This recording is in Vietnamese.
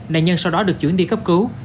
nạn nhân sau đó được chuyển đi cấp cứu